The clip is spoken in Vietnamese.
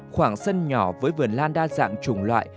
khoảng sân nhỏ với vườn lan đa dạng chủng loại